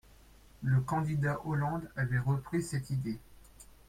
Le candidat Hollande avait repris cette idée.